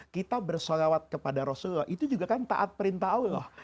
kita bersalawat kepada rasulullah itu juga kan taat perintah allah